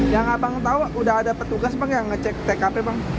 yang abang tau sudah ada petugas yang cek tkp bang